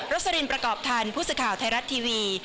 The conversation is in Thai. สลินประกอบทันผู้สื่อข่าวไทยรัฐทีวี